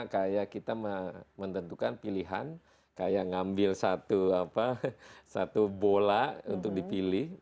kayak kita menentukan pilihan kayak ngambil satu bola untuk dipilih